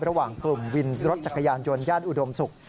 ระหว่างกลุ่มวินรถจักรยานยนต์ย่านอุดมศุกร์